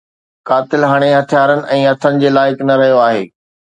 قاتل هاڻي هٿيارن ۽ هٿن جي لائق نه رهيو آهي